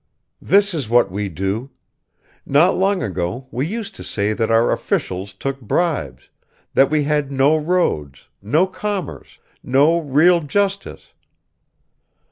"This is what we do. Not long ago we used to say that our officials took bribes, that we had no roads, no commerce, no real justice.